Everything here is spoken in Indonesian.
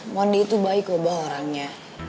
mondi itu baik oba orangnya